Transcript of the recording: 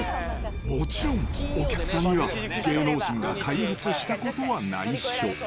もちろん、お客さんには芸能人が開発したことはないしょ。